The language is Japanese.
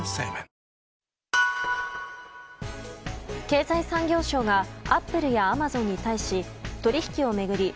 経済産業省がアップルやアマゾンに対し取引を巡り